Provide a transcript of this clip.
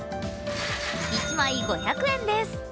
１枚５００円です。